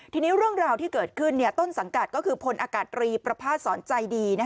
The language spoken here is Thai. ทีนี้เรื่องราวที่เกิดขึ้นต้นสังกัดก็คือพลอากาศรีประภาษณสอนใจดี